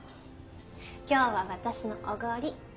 今日は私のおごり。